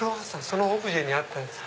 そのオブジェにあったやつ。